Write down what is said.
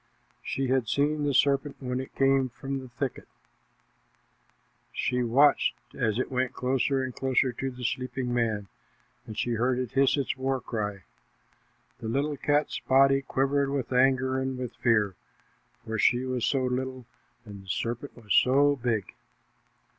She had seen the serpent when it came from the thicket. [Illustration: SHE LEAPED DOWN UPON THE SERPENT] She watched it as it went closer and closer to the sleeping man, and she heard it hiss its war cry. The little cat's body quivered with anger and with fear, for she was so little and the serpent was so big.